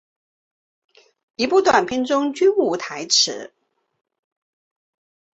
十部短片中均无台词。